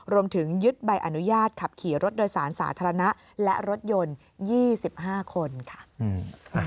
รวมถึงยึดใบอนุญาตขับขี่รถโดยสารสาธารณะและรถยนต์๒๕คนค่ะ